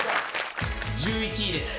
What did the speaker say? １１位です。